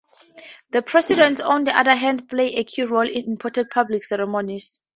The President, on the other hand, played a key role in important public ceremonies.